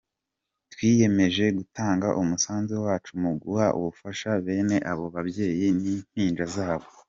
Twiyemeje gutanga umusanzu wacu mu guha ubufasha bene abo babyeyi n’impinja zabo.